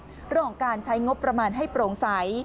เรื่องของการใช้งบประมาณให้โปร่งใส